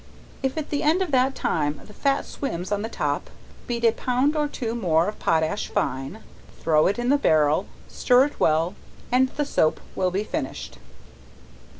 If at the end of that time, the fat swims on the top, beat a pound or two more of potash fine, throw it in the barrel, stir it well, and the soap will be finished.